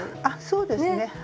あっそうですね。